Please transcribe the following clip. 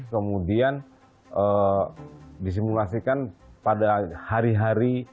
kemudian disimulasikan pada hari hari